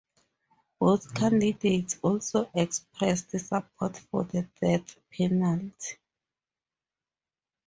Both candidates also expressed support for the death penalty.